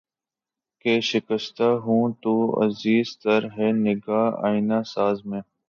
کہ شکستہ ہو تو عزیز تر ہے نگاہ آئنہ ساز میں